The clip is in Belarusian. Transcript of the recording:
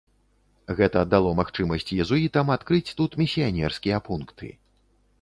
Гэта дало магчымасць езуітам адкрыць тут місіянерскія пункты.